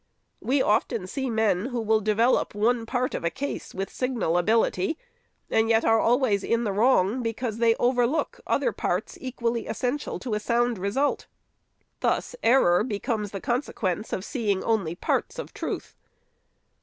We often see men, who will develop one part of a case with signal ability, and yet are always in the wrong, because they overlook other parts, equally essential to a sound result. Thus error becomes the consequence of seeing only parts of truth.